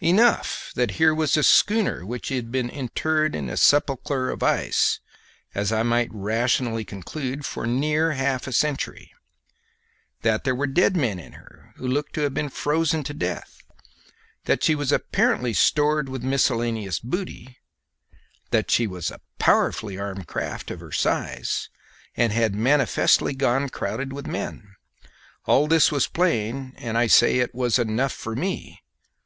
Enough that here was a schooner which had been interred in a sepulchre of ice, as I might rationally conclude, for near half a century, that there were dead men in her who looked to have been frozen to death, that she was apparently stored with miscellaneous booty, that she was powerfully armed for a craft of her size, and had manifestly gone crowded with men. All this was plain, and I say it was enough for me.